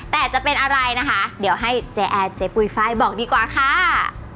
แต่จะเป็นอะไรนะคะเดี๋ยวให้เจ๊แอร์เจ๊ปุ๋ยไฟล์บอกดีกว่าค่ะ